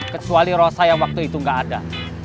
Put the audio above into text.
kecuali rosa yang waktu itu gak ada